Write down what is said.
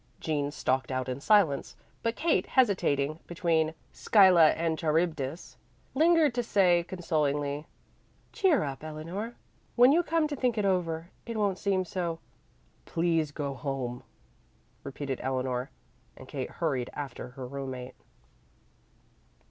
Jean stalked out in silence, but Kate, hesitating between Scylla and Charybdis, lingered to say consolingly, "Cheer up, Eleanor. When you come to think it over, it won't seem so " "Please go home," repeated Eleanor, and Kate hurried after her roommate.